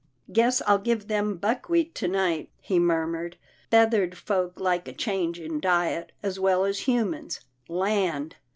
" Guess I'll give them buckwheat to night," he murmured, " feathered folk like a change in diet 238 'TILDA JANE'S ORPHANS as well as humans. Land!